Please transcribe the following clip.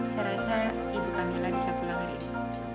saya rasa ibu kamila bisa pulang hari ini